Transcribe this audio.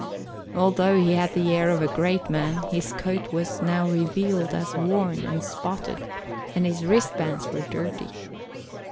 Although he had the air of a great man, his coat was now revealed as worn and spotted and his wristbands were dirty.